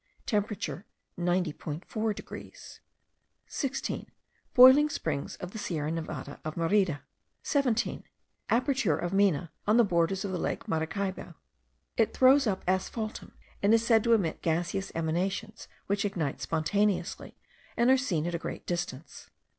Temperature 90.4 degrees. 16. Boiling springs of the Sierra Nevada of Merida. 17. Aperture of Mena, on the borders of Lake Maracaybo. It throws up asphaltum, and is said to emit gaseous emanations, which ignite spontaneously, and are seen at a great distance.